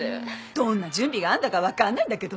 どんな準備があんだか分かんないんだけどね。